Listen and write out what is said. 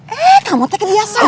eh kamu teh kebiasaan